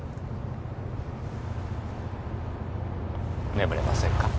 眠れませんか？